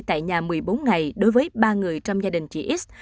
tại nhà một mươi bốn ngày đối với ba người trong gia đình chị x